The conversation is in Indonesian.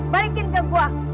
balikin ke gua